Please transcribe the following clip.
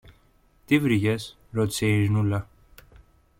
Τι βρήκες; ρώτησε η Ειρηνούλα.